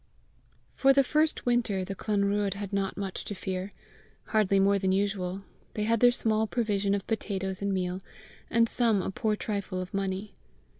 For the first winter the Clanruadh had not much to fear hardly more than usual: they had their small provision of potatoes and meal, and some a poor trifle of money.